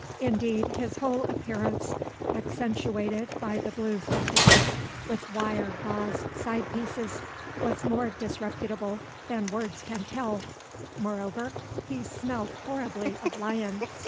Indeed, his whole appearance, accentuated by the blue spectacles with wire gauze side pieces, was more disreputable than words can tell; moreover, he smelt horribly of lion.